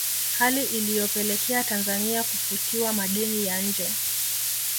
Hali iliyopelekea Tanzania kufutiwa madeni ya nje